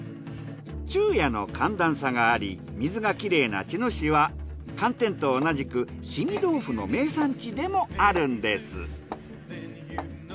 昼夜の寒暖差があり水がきれいな茅野市は寒天と同じく凍み豆腐の名産地でもあるんです。